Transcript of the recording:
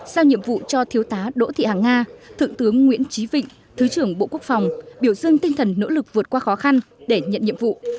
sao nhiệm vụ cho thiếu tá đỗ thị hằng nga thượng tướng nguyễn trí vịnh thứ trưởng bộ quốc phòng biểu dương tinh thần nỗ lực vượt qua khó khăn để nhận nhiệm vụ